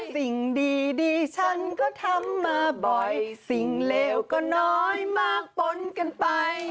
สิ่งดีฉันก็ทำมาบ่อยสิ่งเลวก็น้อยมากปนกันไป